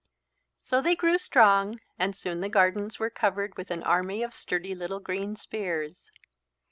So they grew strong and soon the gardens were covered with an army of sturdy little green spears.